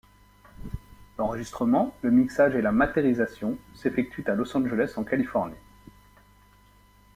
L'enregistrement, le mixage et la materisation s'effectuent à Los Angeles, en Californie.